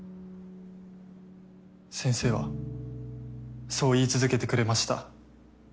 ・先生はそう言い続けてくれました。